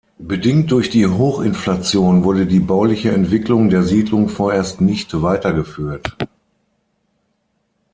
Bedingt durch die Hochinflation wurde die bauliche Entwicklung der Siedlung vorerst nicht weitergeführt.